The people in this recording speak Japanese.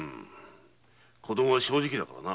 子供は正直だからな。